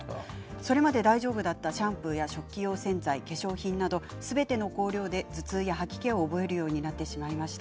それまで大丈夫だったシャンプーや食器用洗剤化粧品などすべての香料で頭痛や吐き気を覚えるようになってしまいました。